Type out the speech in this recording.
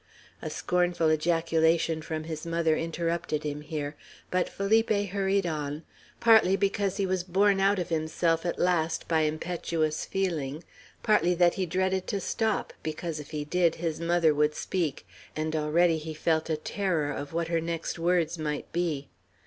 A scornful ejaculation from his mother interrupted him here; but Felipe hurried on, partly because he was borne out of himself at last by impetuous feeling, partly that he dreaded to stop, because if he did, his mother would speak; and already he felt a terror of what her next words might be.